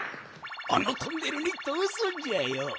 あのトンネルにとおすんじゃよ。